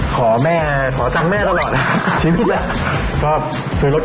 ขอแม่ขอจังแม่ตลอด